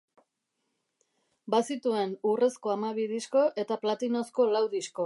Bazituen urrezko hamabi disko eta platinozko lau disko.